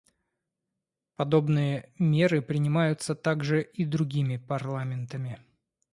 Подобные меры принимаются также и другими парламентами.